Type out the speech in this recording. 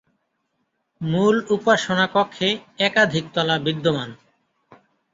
মূল উপাসনা কক্ষে একাধিক তলা বিদ্যমান।